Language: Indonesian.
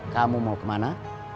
kamu mau kemana